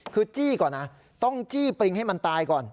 คือจี้ก่อนนะต้องจี้ปริงให้มันตายก่อน